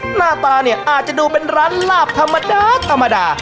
หน้าตาเนี่ยอาจจะดูเป็นร้านลาบธรรมดาธรรมดา